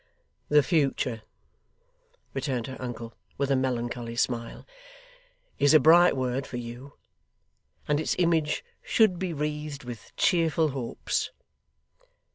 'The future,' returned her uncle, with a melancholy smile, 'is a bright word for you, and its image should be wreathed with cheerful hopes.